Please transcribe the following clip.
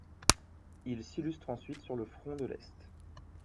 Il s'illustre ensuite sur le front de l'Est.